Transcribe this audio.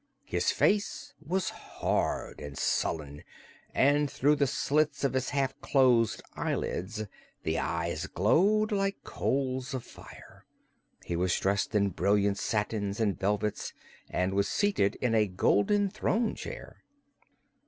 His face was hard and sullen and through the slits of his half closed eyelids the eyes glowed like coals of fire. He was dressed in brilliant satins and velvets and was seated in a golden throne chair.